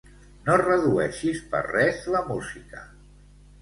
No redueixis per res la música.